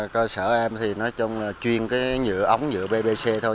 cơ sở em thì nói chung là chuyên cái nhựa ống nhựa bbc thôi